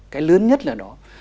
cái lớn nhất là đó